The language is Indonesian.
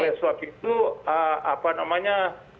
oleh sebab itu apa namanya